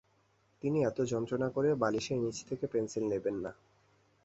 তিনি এত যন্ত্রণা করে বালিশের নিচে থেকে পেনসিল নেবেন না।